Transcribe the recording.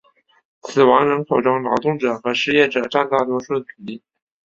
死亡人口中劳动者和失业者占大多数的比例。